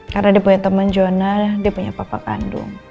karena dia punya temen jonah dia punya papa kandung